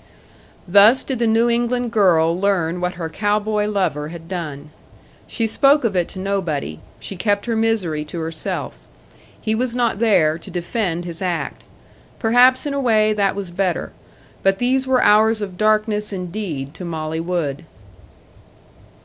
Thus did the New England girl learn what her cow boy lover had done. She spoke of it to nobody; she kept her misery to herself. He was not there to defend his act. Perhaps in a way that was better. But these were hours of darkness indeed to Molly Wood.